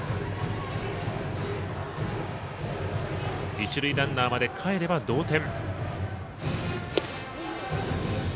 一塁ランナーまでかえれば同点。